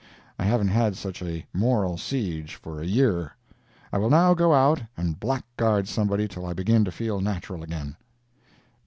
I haven't had such a moral siege for a year. I will now go out and blackguard somebody till I begin to feel natural again.